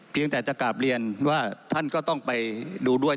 เพียงแต่จะกลับเรียนว่าท่านก็ต้องไปดูด้วย